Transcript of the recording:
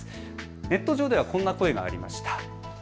ネット上ではこんな声がありました。